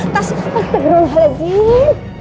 tasya tak berulang lagi